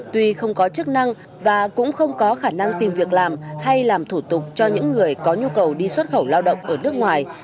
tuy không có chức năng và cũng không có khả năng tìm việc làm hay làm thủ tục cho những người có nhu cầu đi xuất khẩu lao động ở nước ngoài